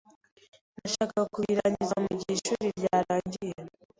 Nashakaga kubirangiza mugihe ishuri ryarangiye.